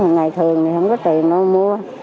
ngày thường thì không có tiền đâu mua